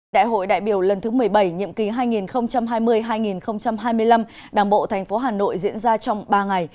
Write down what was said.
đại hội đại biểu lần thứ một mươi bảy nhiệm kỳ hai nghìn hai mươi hai nghìn hai mươi năm đảng bộ tp hà nội diễn ra trong ba ngày